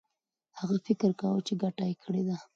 هغه فکر کاوه چي ګټه یې کړې ده.